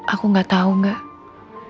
aku gak tau enggak